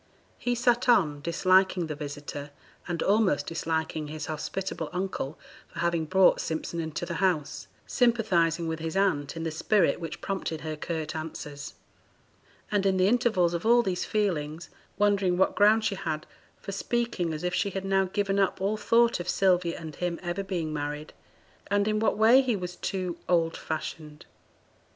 He sat on, disliking the visitor, and almost disliking his hospitable uncle for having brought Simpson into the house, sympathizing with his aunt in the spirit which prompted her curt answers, and in the intervals of all these feelings wondering what ground she had for speaking as if she had now given up all thought of Sylvia and him ever being married, and in what way he was too 'old fashioned.'